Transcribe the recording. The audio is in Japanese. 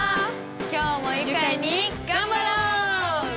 今日も愉快に頑張ろう！